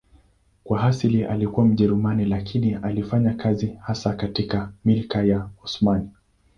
Kwa asili alikuwa Mjerumani lakini alifanya kazi hasa katika Milki ya Osmani.